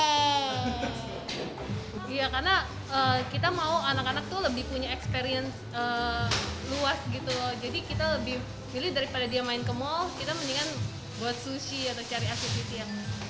jadi kita lebih pilih daripada dia main ke mall kita mendingan buat sushi atau cari aset gitu ya